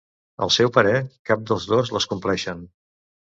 Al seu parer, cap dels dos les compleixen.